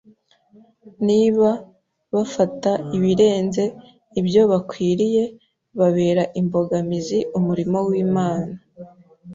Niba bafata ibirenze ibyo bakwiriye, babera imbogamizi umurimo w’Imana.